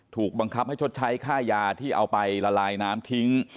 ถูกบังคับให้ชดใช้ค่ายาที่เอาไปละลายน้ำทิ้ง